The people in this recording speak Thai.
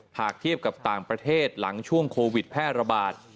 เทียบกับต่างประเทศหลังช่วงโควิดแพร่ระบาด